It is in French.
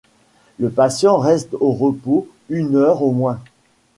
Le patient reste au repos une heure au moins.